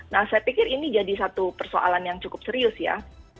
nah saya pikir ini jadi satu persoalan yang cukup serius ya